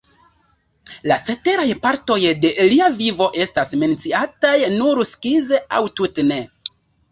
La ceteraj partoj de lia vivo estas menciataj nur skize aŭ tute ne.